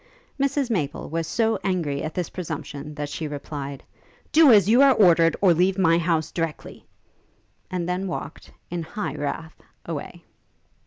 Mrs Maple was so angry at this presumption, that she replied, 'Do as you are ordered, or leave my house directly!' and then walked, in high wrath, away.